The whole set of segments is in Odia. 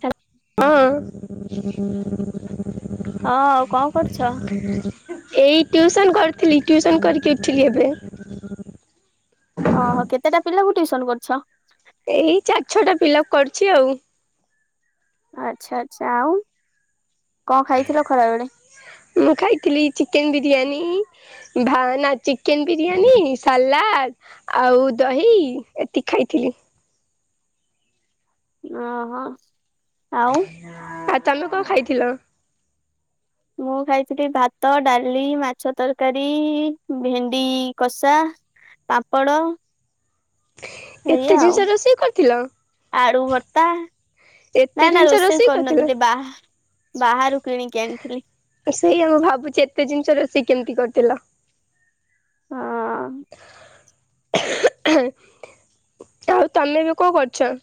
ସ ହଁ ହଁ ଆଉ କଂ କରୁଚ? ହୁଁ ଏଇ ଟିଉସନ କରିଥିଲି। ଟିଉସନ କରିକି ଉଠିଲି ଏବେ। ଓହୋ କେତେଟା ପିଲାକୁ ଟିଉସନ କର? ଏଇ ଚାରି ଛଅଟା ପିଲାକୁ କରୁଚି ଆଉ। ଆଚ୍ଛା ଆଚ୍ଛା ଆଉ କଂ ଖାଇଥିଲ ଖରା ବେଳେ? ମୁ ଖାଇଥିଲି ଚିକେନ ବିରିୟାନୀ। ଭ ନା ଚିକେନ ବିରିୟାନୀ ସାଲାଦ- - ଆଉ ଦହି ଏତିକି ଖାଇଥିଲି। ଓହୋ - -ଆଉ। ଆଉ ତମେ କଂ ଖାଇଥିଲ? ମୁଁ ଖାଇଥିଲି ଭାତ ଡାଲି, ମାଛ ତରକାରୀ, ଭେଣ୍ଡି କଷା- - ପାପଡ଼ - - ସେଇା ଏତେ ଜିନିଷ ଆଉ ରୋଷେଇ କରିଥିଲ ଆଳୁ ଭର୍ତା- - ଏତେ ନା ନା ଜିନିଷ ରୋଷେଇ କରିଥିଲ? କରନଥିଲି ବା ବାହାରୁ କିଣିକି ଆଣିଥିଲି। ସେଇଆ ମୁଁ ଭାବୁଛି ଏତେ ଜିନିଷ ରୋଷେଇ କେମିତି କରିଥିଲଥିଲ? ହଁ ତମେ ଏବେ କଣ କରୁଛ?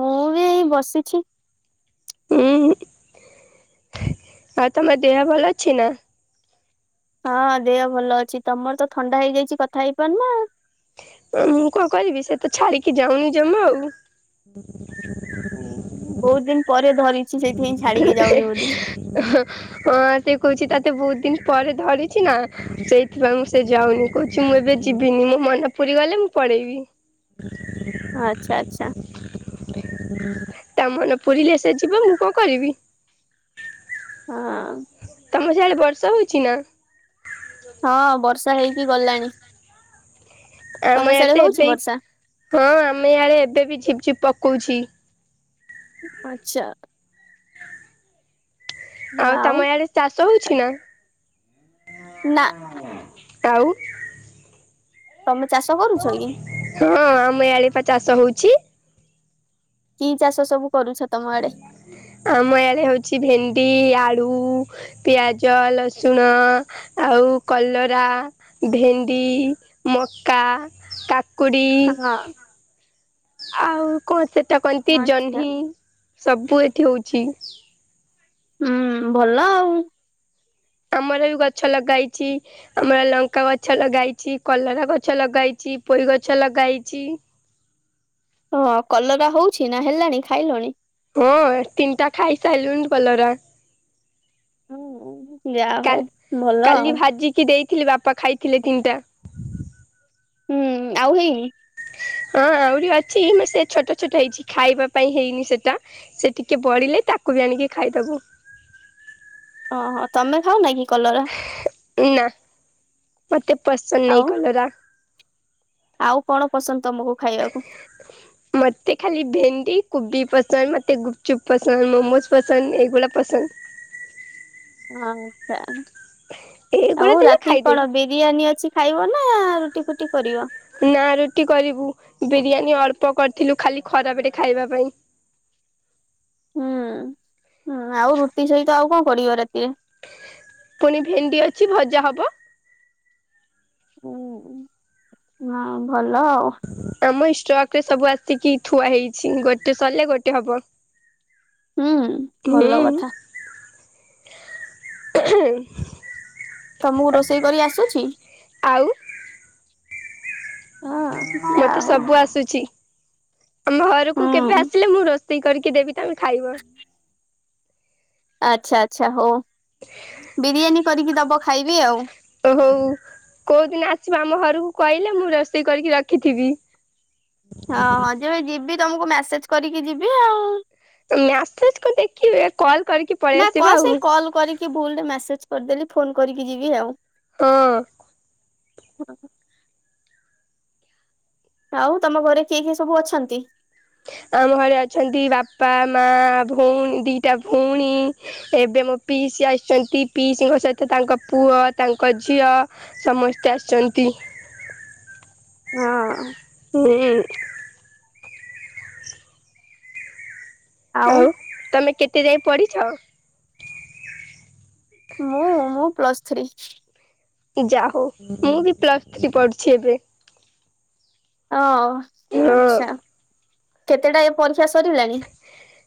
ମୁଁ ବି ଏଇ ବସିଛି। ଉୁଁ ଆଉ ତମର ଦେହ ଭଲ ଅଛି ନା? ହଁ ଦେହ ଭଲ ଅଛି ତମର ତ ଥଣ୍ଡା ହେଇଯାଇଛି କଥା ହେଇପାରୁ ନ। ମୁଁ କଣ କରିବି ସେ ତ ଛାଡିକି ଯାଉନି ଜମା ଆଉ। ଦେ ଁ ବହୁତ ଦିନ ପରେ ଧରିଛି ସେଇଥିପାଇଁ ଛାଡିକି ଯାଉନି ବୋଧେ? ହଁ ହଁ ସେ କହୁଛି ତାତେ ବହୁତ ଦିନ ପରେ ଧରିଛି ନା ସେଇଥିପାଇଁ ମୁଁ ସେ ଯାଉନି। କହୁଛି ମୁଁ ଏବେ ଯିବିନି ମୋ ମନେ ପୁରି ଗଲେ ମୁଁ ପଳେଇବି। ଆଛା ଆଚ୍ଛା ତା ମନେ ପୁୁରିଲେ ସେ ଯିବ ମୁ କଣ କରିବି? ହଁ ତମ ସିଆଡ଼େ ବର୍ଷ ହଉଛି ନା? ହଁ ବର୍ଷା ହେଇକି ଗଲାଣି। ଆମ ତମେ ସିଆଡେ ୟଡେ ହଉଛି ତ ଏବେ ବର୍ଷା? ହଁ ଆମେ ୟାଡେ ଏବେ ବି ଝିପଝପ ପକଉଛି। ଆଛା ଆଉ ତମ ୟଡେ ଚାଷ ହଉଛି ନା? ନା ଆଉ ତମେ ଚାଷ କରୁଛ କି? ହଁ ଆମ ଏଆଡେ ପା ଚାଷ ହଉଛି। କି ଚାଷ ସବୁ କରୁଛ ତମ ଆଡେ? ଆମ ୟାରେ ହଉଛି ଭେଣ୍ଡି ଆଳୁ ପିଆଜ ଲସୁଣ ଆଉ କଲରା। ଭେଣ୍ଡି ମକା କାକୁଡ଼ି। ହଁ ଆଉ କଣ ସେଟା କହନ୍ତି ଆଚ୍ଛା। ଜହ୍ନି ସବୁ ଏଠି ହଉଛି। ହୁଁ ଭଲ ଆଉ। ଆମର ବି ଗଛ ଲଗା ହେଇଛି। ଆମର ଲଙ୍କା ଗଛ ଲଗେଇଛି କଲରା ଗଛ ଲଗେଇଛି ପୋଇ ଗଛ ଲଗେଇଛି। ହଁ କଲରା ହଉଛି ନା ହେଲାଣି ଖାଇଲଣି? ହଁ ତିନିଟା ଖାଇସାରିଲୁଣି କଲରା। ଯାହା କା ହଉ ଭଲ ଆଉ କାଲି ଭାଜିକି ଦେଇଥିଲି ବାପା ଖାଇଥିଲେ ତିନିଟା ହୁଁ ଆଉ ହେଇନି। ହଁ ଆହୁରି ଅଛି ମ ସେ ଛୋଟ ଛୋଟ ହେଇଛି ଖାଇବା ପାଇଁ ହେଇନି ସେଟ। ସେ ଟିକେ ବଢିଲେ ତାକୁ ବି ଆଣିକି ଖାଇଦବୁ। ଓହୋ ତମେ ଖାଉନା କି କଲରା? ନା ମତେ ପସନ୍ଦ ନାଇଁ ଆଉ କଲରା। ଆଉ କଣ ପସନ୍ଦ ତମକୁ ଖାଇବାକୁ? ମତେ ଖାଲି ଭେଣ୍ଡି କୋବି ପସନ୍ଦ ମତେ ଗୁପଚୁପ୍ ପସନ୍ଦ ମୋମୋଜ ପସନ୍ଦ ଏଇଗୁଡା ପସନ୍ଦ। ହ ଆଚଛା ଏଇଗୁଡା ଆଉ ଦେଲେ ରାତି ଖାଇଦେବି କଣ ବି ବିରିୟାନୀ ଅଛି ଖାଇବ ନା ରୁଟି ଫୁଟି କରିବ? ନା ରୁଟି କରିବୁ ବିରିୟାନୀ ଅଳ୍ପ କରିଥିଲୁ ଖାଲି ଖରାପ ରେ ଖାଇବା ପାଇଁ। ହୁଁ ହଁ ଆଉ ରୁଟି ସହିତ ଆଉ କଣ କରିବ ରାତିରେ? ପୁଣି ଭେଣ୍ଡି ଅଛି ଭଜା ହବ। ହ ହଁ ଭଲ ଆଉ। ଆମ ଇଷ୍ଟକରେ ସବୁ ଆସିକି ଥୁଆ ହେଇଛି ଗୋଟେ ସରିଲେ ଗୋଟେ ହବ। ହୁଁ ଭଲ କଥା ହୁଁ ଏହେ ତମୁକୁ ରୋଷେଇ କରି ଆସୁଛି? ଆଉ ହଁ ଯା ମତେ ହଉ ସବୁ ଆସୁଛି ଆମ ଘରକୁ କେବେ ହୁଁ ଆସିଲେ ମୁଁ ର ରୋଷେଇ କରିକି ଦେବି ତମେ ଖାଇବ। ଆଛା ଆଛା ହଉ ବିରିୟାନୀ କରିକି ଦବ ଖାଇବି ଆଉ। ଓ ହଉ କୋଉଦିନ ଆସିବ ଆମ ଘରକୁ କହିଲେ ମୁଁ ରୋଷେଇ କରିକି ରଖିଥିବି। ହଁଁ ଯେବେ ଯିବି ତମକୁ ମେସେଜ କରିକି ଯିବି ଆଉ। ମ୍ୟାସେଜ କୁ ଦେଖିବେ କଲ୍ କରିକି ପଳେଇ ନା କ ଆସିବା ଆଉ ସେଇ ହଁ। କଲ୍ କରିକି ଭୁଲରେ ମେସେଜ କରିଦେଲି ଫୋନ କରିକି ଯିବି ଆଉ। ହଁ। ହଁ। ଆଉ ତମ ଘରେ କିଏ କିଏ ସବୁ ଅଛନ୍ତି? ଆମ ଘରେ ଅଛନ୍ତି ବାପା ମା ଭଉଣୀ ଦିଟା ଭଉଣୀ। ଏବେ ମୋ ପିଇସି ଆସିଛନ୍ତି ପିଇସିଙ୍କ ସହିତ ତାଙ୍କ ପୁଅ ତାଙ୍କ ଝିଅ। ସମସ୍ତେ ଆସିଛନ୍ତି। ହଁ। [unintelligible] ଆଉ। ତମେ କେତେ ଯାଇ ପଢିଛ? ମୁଁ ମୁଁ ପ୍ଲସ୍ ଥ୍ରୀ। ଯା ହଉ ମୁଁ ବି ପ୍ଲସ ଥ୍ରୀ ପଢୁଛି ଏବେ। ଓ ହଁ। ଆଛା କେତେଟା ଏ ପରୀକ୍ଷା ସରିଲାଣି?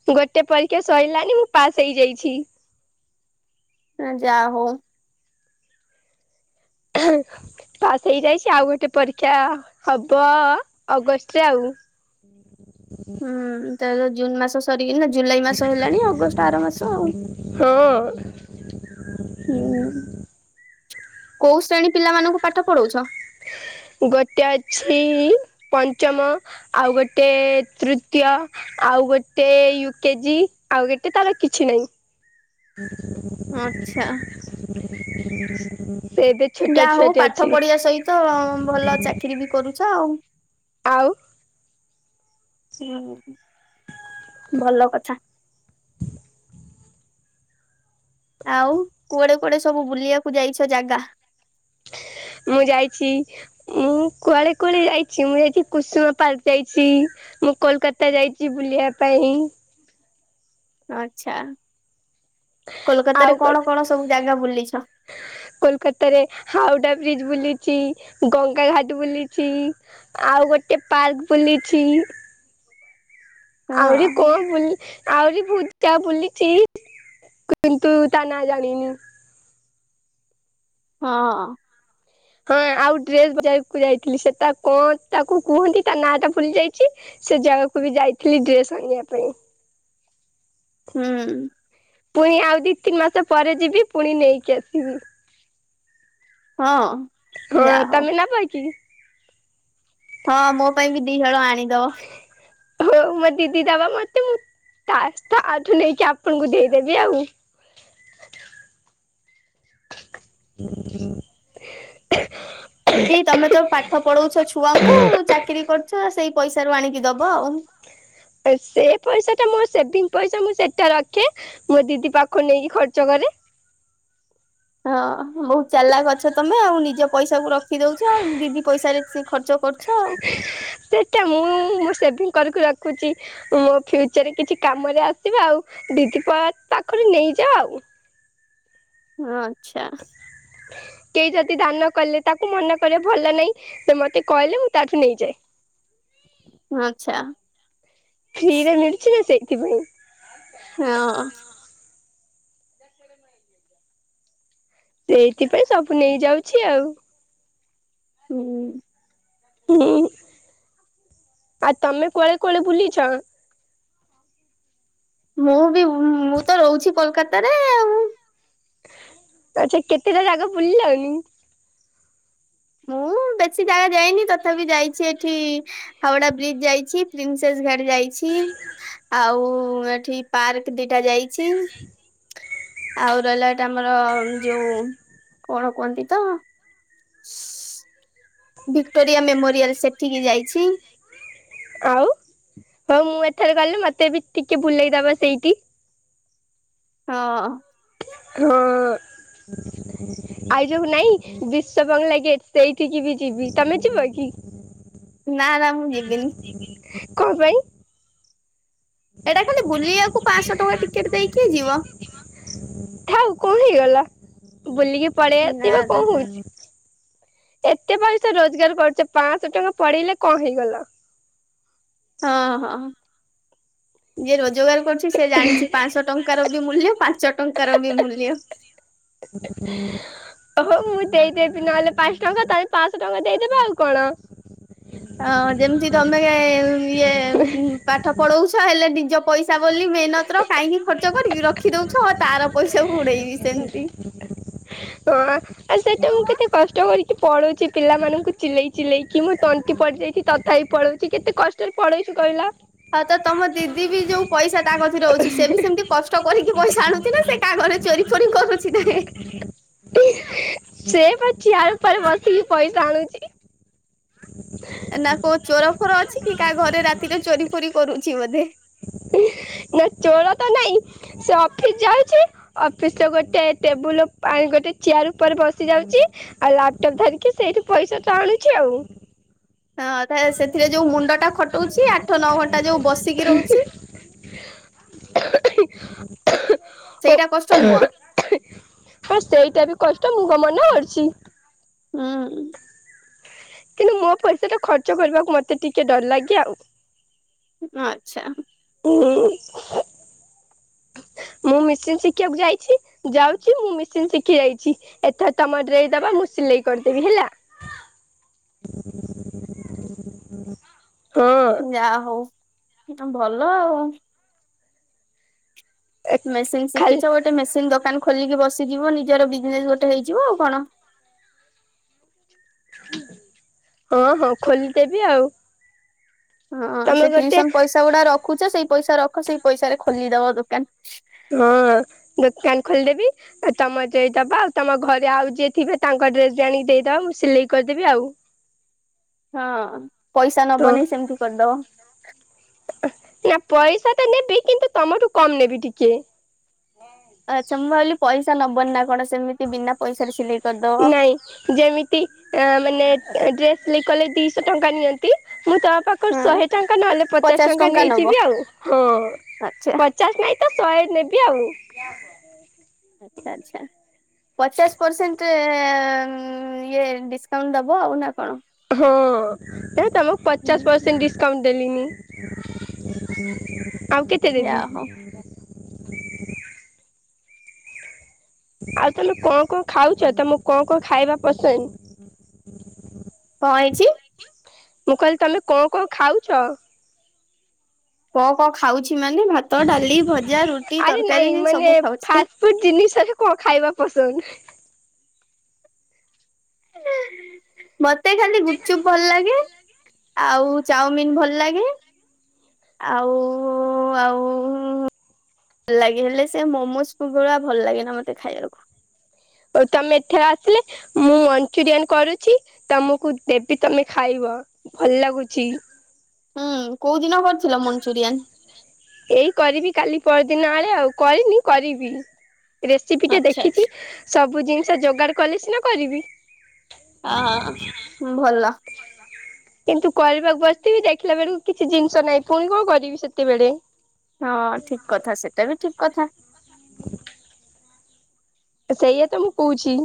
ଗୋଟେ ପରୀକ୍ଷା ସରିଲାନି ମୁଁ ପାସ୍ ହେଇଯାଇଛି। ନା ଯାହଉ। ପାସ୍ ହେଇଯାଇଛି ଆଉ ଗୋଟେ ପରୀକ୍ଷା ହବ ଅଗଷ୍ଟରେ ଆଉ। ହୁଁ ତାର ଯୋଉ ଜୁନ ମାସ ସରିକିନା ଜୁଲାଇ ମାସ ହେଲାଣି ଅଗଷ୍ଟ ଆର ମାସ ଆଉ। ହଁ ହୁଁ କୋଉ ଶ୍ରେଣୀ ପିଲାମାନଙ୍କୁ ପାଠ ପଢଉଛ? ଗୋଟେ ଅଛି ପଞ୍ଚମ ଆଉ ଗୋଟେ ତୃତୀୟ। ଆଉ ଗୋଟେ ୟୁ କେଜି ଆଉ ଗୋଟେ ତାର କିଛି ନହିଁ। [unintelligible] ଆଛା। [unintelligible] ଯାହା ହଉ ଛୁଆଟେ ପାଠ ଅଛି ପଢିବା ସହିତ ଭଲ ଚାକିରୀ ବି କରୁଛ ଆଉ। ଆଉ। ହ ଭଲ କଥା। ଆଉ କୁଆଡେ କୁଆଡେ ସବୁ ବୁଲିବାକୁ ଯାଇଛ ଜାଗା? ମୁଁ ଯାଇଛି ମୁଁ କୁଆଡେ କୁଆଡେ ଯାଇଛି ମୁଁ ଯାଇଛିି କୁସୁମା ପାର୍କ ଯାଇଛି। ମୁଁ କୋଲକାତା ଯାଇଛି ବୁଲିବା ପାଇଁ। ଆଚ୍ଛା, କୋଲକତାରେ କଣ କଣ ସବୁ ଜାଗା ବୁଲିଛ? କୋଲକତାରେ ହାଉଡା ବ୍ରିଜ ବୁଲିଚି, ଗଙ୍ଗା ଘାଟ ବୁଲିଚି। ଆଉ ଗୋଟେ ପାର୍କ ବୁଲିଛି। ହଁ ଆହୁରି କଣ ବୁଲି ଆଉରି ବୁ ଯା ବୁଲିଚି କିନ୍ତୁ ତା ନାଁ ଜାଣିନି। ହଁ। ହଁ ଆଉ ଡ୍ରେସ [unintelligible] ଯାଇଥିଲି ସେଟା କଣ ତାକୁ କୁହନ୍ତି ତା ନାଁ ଟା ଭୁଲି ଯାଇଛି। ସେ ଜାଗାକୁ ବି ଯାଇଥିଲି ଡ୍ରେସ ଆଣିବା ପାଇଁ। ହୁଁ। ପୁଣି ଆଉ ଦିଇ ତିନି ମାସ ପରେ ଯିବି ପୁଣି ନେଇକି ଆସିବି। ହଁ। ହଁ, ଯା ହଉ ତମେ ନବ କି? ହଁ ମୋ ପାଇଁ ବି ଦି ହଳ ଆଣିଦବ। ହଉ ମୋ ଦିଦି ଦବ ମତେ ମୁଁ ତା ତାଆ ଠୁ ନେଇକି ଆପଣଙ୍କୁ ଦେଇଦେବି ଆଉ। [unintelligible] କି ତମେ ତ ପାଠ ପଢଉଛ ଛୁଆଙ୍କୁ ଚାକିରି କରୁଛ ସେଇ ପଇସା ରୁ ଆଣିକି ଦବ ଆଉ। ସେ ପଇସା ଟା ମୋ ସେଭିଙ୍ଗ ପଇସା ମୁଁ ସେଟା ରଖେ। ମୋ ଦିଦି ପାଖରୁ ନେଇକି ଖର୍ଚ୍ଚ କରେ। ହଁ ବହୁତ ଚାଲାଖ ଅଛ ତମେ ଆଉ। ନିଜ ପଇସାକୁ ରଖିଦଉଛ ଆଉ। ଦିଦି ପଇସାରେ ସେ ଖର୍ଚ୍ଚ କରୁଛ ଆଉ। ସେଟା ମୁଁ ମୁଁ ସେଭିଙ୍ଗ କରିକି ରଖୁଛି। ମୋ ଫ୍ୟୁଚରରେ କିଛି କାମରେ ଆସିବ ଆଉ ଦିଦି ପା ପାଖରୁ ନେଇଯା ଆଉ। ଆଚ୍ଛା। କେହି ଯଦି ଦାନ କଲେ ତାକୁ ମନା କରିବା ଭଲ ନାହିଁ। ସେ ମତେ କହିଲେ ମୁଁ ତା ଠୁ ନେଇଯାଏ। ଆଚ୍ଛା। ଫ୍ରିରେ ମିଳୁଛି ନା ସେଇଥିପାଇଁ। ହଁ। ସେଇଥିପାଇଁ ସବୁ ନେଇ ଯାଉଛି ଆଉ। ହୁଁ। ହୁଁ, ଆଉ ତମେ କୁଆଳେ କୁଆଳେ ବୁଲିଛ? ମୁଁ ବି ମୁଁ ତ ରହୁଛି କୋଲକାତାରେ ଆଉ। ଆଚ୍ଛା କେତେଟା ଜାଗା ବୁଲିଲନି? ମୁଁ ବେଶୀ ଜାଗା ଯାଇନି ତଥାପି ଯାଇଛି ଏଠି ହାୱଡ଼ା ବ୍ରିଜ ଯାଇଛି, ପ୍ରିନ୍ସେସ୍ ଘାଟ୍ ଯାଇଛି। ଆଉ ଏଠି ପାର୍କ ଦିଟା ଯାଇଛି। ଆଉ ରହିଲା ଏଟା ଆମର ଯୋଉ କଣ କୁହନ୍ତି ତ ଭିକ୍ଟୋରିଆ ମେମୋରିଆଲ ସେଠିକି ଯାଇଛି। ଆଉ ହଉ ମୁଁ ଏଥରେ ଗଲେ ମତେ ବି ଟିକେ ବୁଲେଇଦବ ସେଇଠି। ହଁ। ହଁ। ଆଉ ଯୋଉ ନାଇଁ ବିଶ୍ଵବଙ୍ଗଲା ଗେଟ ସେଇଠିକି ବି ଯିବି। ତମେ ଯିବ କି? ନା ନା ମୁଁ ଯିବିନି। କଣ ପାଇଁ? ଏଟା ଖାଲି ବୁଲିବାକୁ ପାଆଁଶ ଟଙ୍କା ଟିକେଟ ଦେଇ କିଏ ଯିବ? ଥାଉ କଣ ହେଇଗଲା ବୁଲିକି ପଳେଇ ନା ଆସିବା ନା କଣ ହଉଛି। ଏତେ ପଇସା ରୋଜଗାର କରୁଛ ପାଆଁଶ ଟଙ୍କା ପଳେଇଲେ କଣ ହେଇଗଲା? ହଁ ହଁ। ଯିଏ ରୋଜଗାର କରୁଛି ସେ ଜାଣିଛି ପାଞ୍ଚଶହ ଟଙ୍କାର ବି ମୂଲ୍ୟ ପାଞ୍ଚ ଟଙ୍କାର ବି ମୂଲ୍ୟ। ହ ଓହୋ ମୁଁ ଦେଇଦେବି ନହେଲେ ପାଞ୍ଚଶହ ଟଙ୍କା ତାହେଲେ ପାଞ୍ଚଶହ ଟଙ୍କା ଦେଇଦେବ ଆଉ କଣ। ହଁ ଯେମିତି ତମେ ଇଏ ପାଠ ପଢଉଛ ହେଲେ ନିଜ ପଇସା ବୋଲି ମେହନତ କାହିଁକି ଖର୍ଚ୍ଚ କରିବି ରଖି ଦେଉଛ ତାର ପଇସାକୁ ଉଡ଼େଇବିଯ [unintelligible] ଆଉ ସେଇଟା ମୁଁ କେତେ କଷ୍ଟ କରିକି ପଳଉଛି ପିଲାମାନଙ୍କୁ ଚିଲେଇ ଚିଲେଇକି ମୁଁ ତଣ୍ଟି ପଡି଼ଯାଇଛି ତଥାପି ପଳଉଛି। କି କେତେ କଷ୍ଟରେ ପଳଉଛି କହିଲ। ହଉ ତ ତମ ଦିଦି ବି ଯୋଉ ପଇସା ତା ଗଛରେ ରହୁଛି ସେ ବି ସେମିତି କଷ୍ଟ କରିକି ପଇସା ଆଣୁଛି ନା ସେ କା ଘରେ ଚୋରି ଫୋରି କରୁଛି ଯେ ସେ ପା ଛିଆଳୁ ପାଳୁ ପସିକି ପଇସା ଆଣୁଛି। ନା କୋଉ ଚୋର ଫୋର ଅଛି କି କାହା ଘରେ ରାତିରେ ଚୋରି ଫୋରି କରୁଛି ବୋଧେ। ନା ଚୋର ତ ନାଇଁ ସେ ଅଫିସ ଯାଉଛି। ଅଫିସ ର ଗୋଟେ ଟେବୁଲ ଗୋଟେ ଚେୟାର ଉପରେ ବସି ଯାଉଛି। ଆଉ ଲାପଟପ୍ ଧରିକି ସେଇଠି ପଇସା ତ ଆଣୁଛି ଆଉ। ହଁ ତା ସେଥିରେ ଯୋଉ ମୁଣ୍ଡ ଟା ଖଟଉଛି ଆଠ ନଅ ଘଣ୍ଟା ଯୋଉ ବସିକି ରହୁଛି ସେଇଟା କଷ୍ଟ ନୁହଁ? ହଁ ସେଇଟା ବି କଷ୍ଟ ମୁଁ କଣ ମନା କରୁଛି। ହୁଁ। କିନ୍ତୁ ମୋ ପଇସା ଟା ଖର୍ଚ୍ଚ କରିବାକୁ ମତେ ଟିକେ ଡର ଲାଗେ ଆଉ। ଆଚ୍ଛା। ହୁଁ। ମୁଁ ମେସିନ୍ ଶିଖିବାକୁ ଯାଇଛି ଯାଉଛି ମୁଁ ମେସିନ୍ ଶିଖି ଯାଇଛି। ଏଥର ତମର ଡ୍ରେ ଦବା ମୁଁ ସିଲେଇ କରିଦେବି ହେଲା? ହଁ। ଯାହା ହଉ ଭଲ ଆଉ। ମେସିନ ଖାଲି ଶିଖିଛ ଗୋଟେ ମେସିନ ଦୋକାନ ଖୋଲିକି ବସିଯିବ ନିଜର ବିଜନେସ ଗୋଟେ ହେଇଯିବ ଆଉ କଣ। ହଁ ହଁ ଖୋଲିଦେବି ଆଉ ହଁ ତମେ ସେ ଗୋଟେ ଟିଉସନ ପଇସା ଗୁଡା ରଖୁଛ ସେଇ ପଇସା ରଖ ସେଇ ପଇସାରେ ଖୋଲିଦବ ଦୋକାନ। ହଁ ଦୋକାନ ଖୋଲିଦେବି ଆ ତମ ଡ୍ରେସ ଦବ ଆଉ ତମ ଘରେ ଆଉ ଯିଏ ଥିବେ ତାଙ୍କ ଡ୍ରେସ ବି ଆଣିକି ଦେଇଦବ ମୁଁ ସିଲେଇ କରିଦେବି ଆଉ ହଁ ପଇସା ହଁ ନବନି ସେମିତି କରିଦବ। ନାଁ ପଇସା ତ ନେବି କିନ୍ତୁ ତମଠୁ କମ ନେବି ଟିକେ। ଆଚ୍ଛା ମୁଁ ଭାବିଲି ପଇସା ନବନି ନା କଣ ସେମିତି ବିନା ପଇସାରେ ସିଲେଇ କରିଦବ ନାଇଁ। ଯେମିତି ଆ ମାନେ ଏଁ ଡ୍ରେସ ସିଲେଇ କଲେ ଦିଶହ ଟଙ୍କା ନିଅନ୍ତି ମୁଁ ତମ ପାଖ ଖରୁ ହଁ। ଶହେ ଟଙ୍କା ନହେଲେ ପଚାଶ ଟଙ୍କା ନେଇଯିବି ଆଉ ହଁ ଆଚ୍ଛା। ପଚ ଚାଷ ନାଇଁ ତ ଶହେ ନେବି ଆଉ। [inaudible] ଏଟା ଆଚ୍ଛା। ପଚାଶ ପରସେଣ୍ଟ ଏ ଉଁ ଇଏ ଡିସକାଉଣ୍ଟ ଦବ ଆଉ ନା କଣ? ହଁ ଏ ତମକୁ ପଚାଶ ପରସେଣ୍ଟ ଡିସକାଉଣ୍ଟ ଡେଲି ନୁହେଁ ଆଉ କେତେ ଯା ଦେବି ହୋଉ। ଆଉ ତମେ କଣ କଣ ଖାଉଚ ତମକୁ କଣ କଣ ଖାଇବା ପସନ୍ଦ? କଣ ହେଇଚି? ମୁଁ କହିଲି ତମେ କଣ କଣ ଖାଉଚ? କଣ କଣ ଖାଉଚି ମାନେ ଭାତ, ଡାଲି, ଭଜା, ରୁଟି, ତରକାରୀ ମୁଁ ସବୁ ଖାଉଚି। କୋଉ ଜିନିଷରେ କଣ ଖାଇବା ପସନ୍ଦ? ନାଁ ନାଁ। ମତେ ଖାଲି ଗୁପଚୁପ୍ ଭଲ ଲାଗେ ଆଉ ଚାଉମିିନ ଭଲ ଲାଗେ। ଆଉ ଆଉ ଭଲ ଲାଗେ ହେଲେ ସେ ମୋମୋଜ ପୁର୍ବଭଳିଆ ଭଲ ଲାଗେନା ମତେ ଖାଇବାକୁ। ହୋଉ ତମେ ଏଠାରେ ଆସିଲେ ମୁଁ ମଞ୍ଚୁରିଆନ କରୁଚି ତମକୁ ଦେବି ତମେ ଖାଇବ ଭଲ ଲାଗୁଚି। ହୁଁ କୋଉ ଦିନ କରିଥିଲ ମଞ୍ଚୁରିଆନ୍? ଏଇ କରିବି କାଲି ପହରଦିନ ଆଳେ ଆଉ କରିନି କରିବି। ରେସିପି ଟା ଆଚ୍ଛା ଦେଖିଚି ଆଚ୍ଛା ସବୁ ଜିନିଷ ଯୋଗାଡ କଲେ ସିନା କରିବି। ଆ ହଁ ହଁ ଭଲ। କିନ୍ତୁ କରିବାକୁ ବସିଥିବି ଦେଖିଲା ବେଳୁକୁ କିଛି ଜିନିଷ ନାହିଁ ଫୁଣି କଣ କରିବି ସେତେବେଳେ ହଁ ଠିକ୍ କଥା ସେଟା ବି ଠିକ୍ କଥା। ସେଇଆ ତ ମୁଁ କହୁଚି।